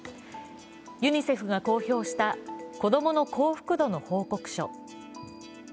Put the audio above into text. ユニセフが公表した子供の幸福度の報告書。